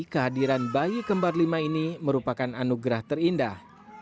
kehadiran bayi kembar lima ini merupakan anugerah terindah